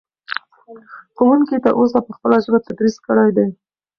ښوونکي تر اوسه په خپله ژبه تدریس کړی دی.